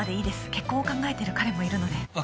結婚を考えている彼もいるので。